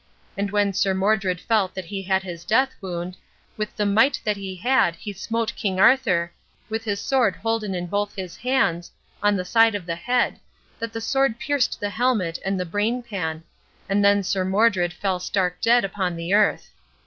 And when Sir Modred felt that he had his death wound, with the might that he had he smote King Arthur, with his sword holden in both his hands, on the side of the head, that the sword pierced the helmet and the brain pan; and then Sir Modred fell stark dead upon the earth.